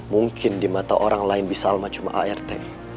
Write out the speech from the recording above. mungkin di mata orang lain bi salma cuma art